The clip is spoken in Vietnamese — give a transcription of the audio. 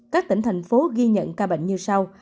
các tỉnh thành phố ghi nhận ca bệnh như sau